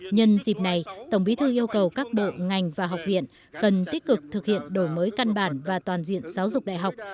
nhân dịp này tổng bí thư yêu cầu các bộ ngành và học viện cần tích cực thực hiện đổi mới căn bản và toàn diện giáo dục đại học